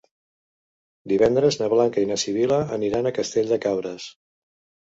Divendres na Blanca i na Sibil·la aniran a Castell de Cabres.